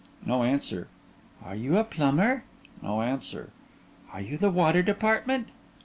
(No answer) Are you a plumber? (No answer) Are you the water department?